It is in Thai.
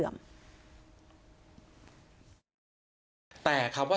นี่แหละตรงนี้แหละ